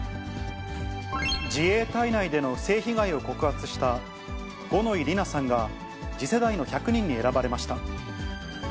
自衛隊内での性被害を告発した五ノ井里奈さんが、次世代の１００人に選ばれました。